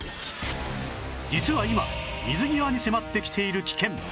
実は今水際に迫ってきている危険！